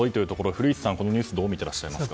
古市さん、このニュースをどう見ていらっしゃいますか？